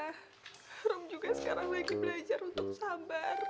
kalo emang bang robi itu jodohnya rum